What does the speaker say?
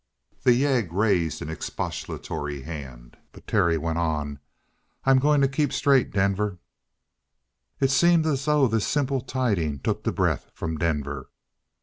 The yegg raised an expostulatory hand, but Terry went on: "I'm going to keep straight, Denver." It seemed as though this simple tiding took the breath from Denver.